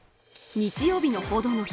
日曜日の「報道の日」